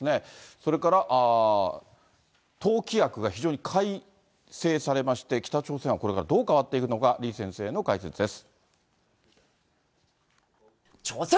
それから党規約が非常に改正されまして、北朝鮮はこれからどう変わっていくのか、李先生の解説です。